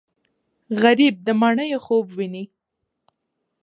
غریب د ماڼیو خوب ویني